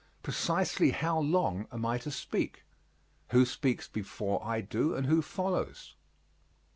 Precisely how long am I to speak? Who speaks before I do and who follows?